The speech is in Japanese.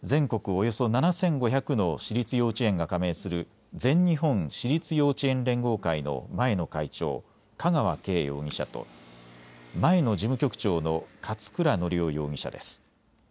およそ７５００の私立幼稚園が加盟する全日本私立幼稚園連合会の前の会長、香川敬容疑者と前の事務局長の勝倉教雄容疑者です。